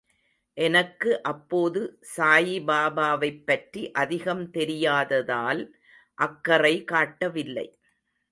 எனக்கு அப்போது சாயிபாபாவைப் பற்றி அதிகம் தெரியாததால் அக்கறை காட்டவில்லை.